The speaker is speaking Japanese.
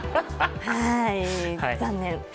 残念。